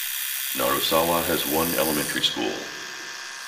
Narusawa has one elementary school.